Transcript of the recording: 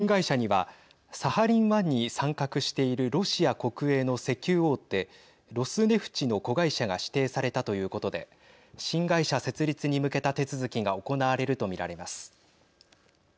新会社には、サハリン１に参画しているロシア国営の石油大手ロスネフチの子会社が指定されたということで新会社設立に向けた手続きが行われると見られます。